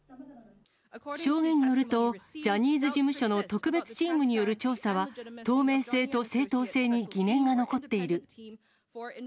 証言によると、ジャニーズ事務所の特別チームによる調査は、透明性と正当性に疑念が残っている。